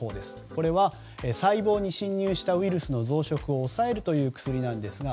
これは細胞に侵入したウイルスの増殖を抑える薬ですが。